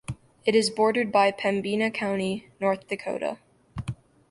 It is bordered by Pembina County, North Dakota.